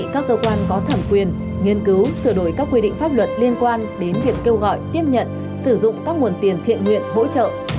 các cơ quan có thẩm quyền nghiên cứu sửa đổi các quy định pháp luật liên quan đến việc kêu gọi tiếp nhận sử dụng các nguồn tiền thiện nguyện hỗ trợ